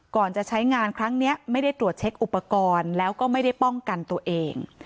จะใช้งานครั้งนี้ไม่ได้ตรวจเช็คอุปกรณ์แล้วก็ไม่ได้ป้องกันตัวเอง